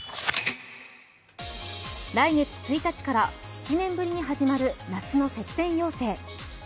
来月１日から７年ぶりに始まる夏の節電要請。